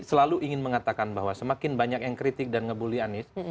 selalu ingin mengatakan bahwa semakin banyak yang kritik dan ngebully anies